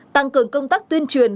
ba tăng cường công tác tuyên truyền